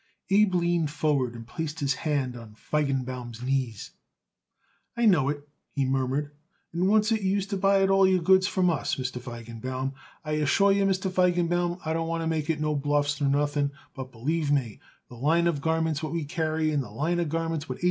Abe leaned forward and placed his hand on Feigenbaum's knees. "I know it," he murmured, "and oncet you used to buy it all your goods from us, Mr. Feigenbaum. I assure you, Mr. Feigenbaum, I don't want to make no bluffs nor nothing, but believe me, the line of garments what we carry and the line of garments what H.